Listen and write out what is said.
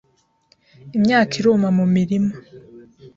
imyaka iruma mu mirima